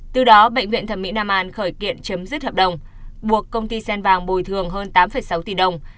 từ đó bệnh viện thẩm mỹ nam an khởi kiện chấm dứt hợp đồng buộc công ty sen vàng bồi thường hơn tám sáu tỷ đồng